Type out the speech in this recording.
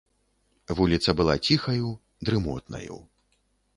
Вуліца была ціхаю, дрымотнаю.